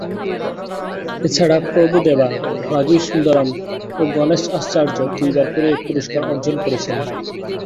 এছাড়া প্রভু দেবা, রাজু সুন্দরম ও গণেশ আচার্য দুইবার করে এই পুরস্কার অর্জন করেছেন।